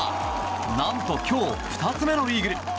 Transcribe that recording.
何と、今日２つ目のイーグル。